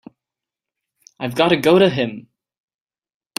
I've got to go to him.